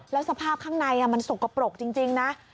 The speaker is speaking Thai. แล้วสภาพข้างในมันสกปรกจริงนะ